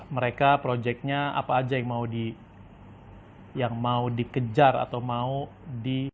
mereka proyeknya apa aja yang mau dikejar atau mau di